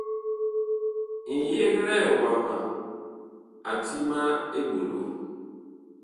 Ŋyeglɛɛ wama a ti ma eɓolo.